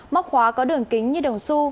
móc khóa có đường kính như đồng su